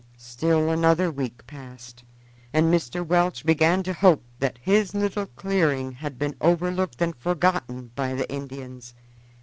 Still another week passed, and Mr. Welch began to hope that his little clearing had been overlooked and forgotten by the Indians.